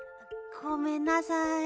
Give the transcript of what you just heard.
ごめんなさい。